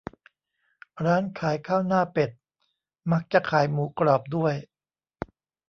ร้านขายข้าวหน้าเป็ด มักจะขายหมูกรอบด้วย